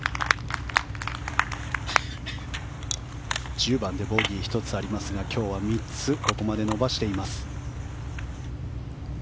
１０番でボギーが１つありますが今日は３つここまで伸ばしています。